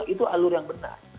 itu alur yang benar